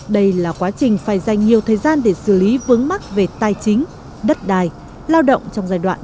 đây là quá trình phải dành nhiều thời gian để xử lý vướng mắc về tài chính đất đai lao động trong giai đoạn